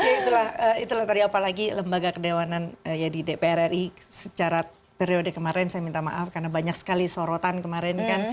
ya itulah itulah tadi apalagi lembaga kedewanan ya di dpr ri secara periode kemarin saya minta maaf karena banyak sekali sorotan kemarin kan